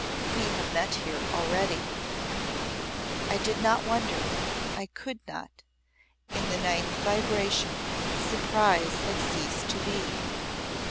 "We have met here already." I did not wonder I could not. In the Ninth vibration surprise had ceased to be.